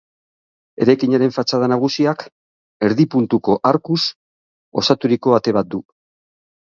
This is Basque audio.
Eraikinaren fatxada nagusiak erdi puntuko arkuz osaturiko ate bat du.